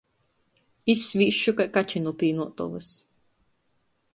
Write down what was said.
Izsvīsšu kai kači nu pīnoutovys.